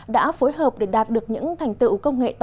đã phối hợp để đạt được những thành tựu